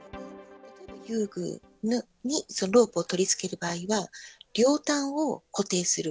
遊具にロープを取り付ける場合は、両端を固定する。